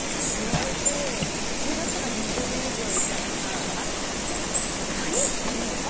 言われて普通だったら２０年以上いたらさ何言ってんの！？